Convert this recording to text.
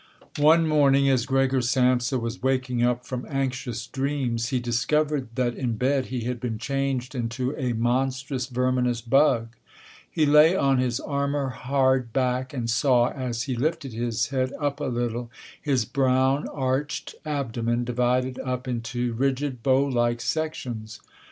One morning, as Gregor Samsa was waking up from anxious dreams, he discovered that in bed he had been changed into a monstrous verminous bug. He lay on his armour hard back and saw, as he lifted his head up a little, his brown, arched abdomen divided up into rigid bow like sections.